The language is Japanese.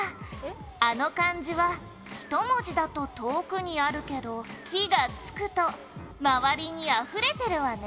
あの漢字は１文字だと遠くにあるけど気が付くと周りに溢れてるわね」